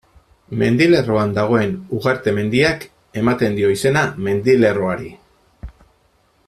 Mendilerroan dagoen Ugarte mendiak ematen dio izena mendilerroari.